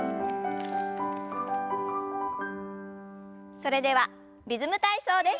それでは「リズム体操」です。